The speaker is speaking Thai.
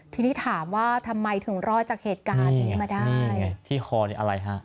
ทีนี้ถามว่าทำไมถึงรอดจากเหตุการณ์มาได้ที่คอยไอเลยค่ะ